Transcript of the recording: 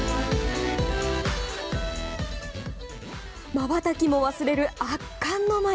まばたきも忘れる圧巻の舞。